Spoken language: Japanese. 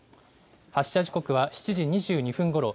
発射時刻は７時２２分ごろ。